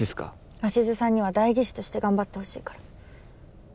鷲津さんには代議士として頑張ってほしいから。